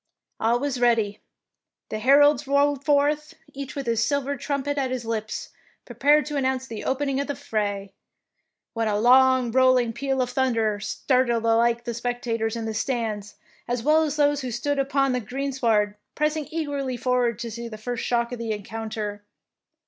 All was ready ; the heralds rode forth, each with his silver trumpet at his lips prepared to announce the opening of the fray, when a long rolling peal of thunder startled alike the spectators in the stands as well as those who stood upon the greensward pressing eagerly forward to see the flrst shock of the encounter.